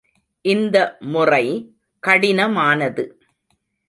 இந்த முறை கடினமானது.